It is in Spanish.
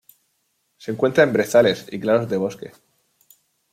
Se encuentra en brezales y claros de bosque.